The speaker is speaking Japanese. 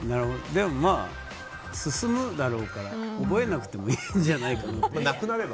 でも、まあ進むだろうから覚えなくてもいいんじゃないかなと。